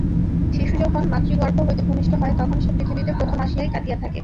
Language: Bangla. শিশু যখন মাতৃগর্ভ হইতে ভূমিষ্ঠ হয়, তখন সে পৃথিবীতে প্রথম আসিয়াই কাঁদিয়া থাকে।